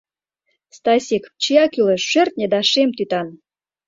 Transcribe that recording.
— Стасик, чия кӱлеш: шӧртньӧ да шем тӱтан.